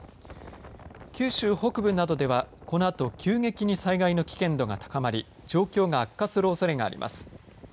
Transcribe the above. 九州北部などではこのあと急激に災害の危険度が高まり状況が悪化するおそれがあります。